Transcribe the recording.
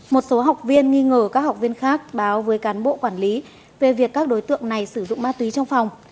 một số học viên nghi ngờ các học viên khác báo với cán bộ quản lý về việc các đối tượng này sử dụng ma túy trong phòng